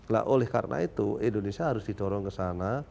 nah oleh karena itu indonesia harus didorong ke sana